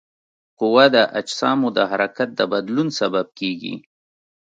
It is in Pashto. قوه د اجسامو د حرکت د بدلون سبب کیږي.